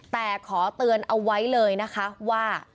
แต่ขอเตือนเอาไว้เลยนะคะว่า